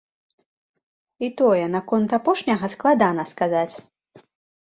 І тое наконт апошняга складана сказаць.